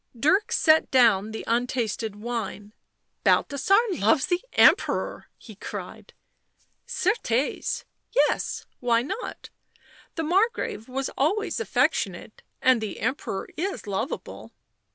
Dirk set down the untasted wine. " Balthasar loves the Emperor !" he cried. " Certes ! yes — why not? The Margrave was always affectionate, and the Emperor is lovable."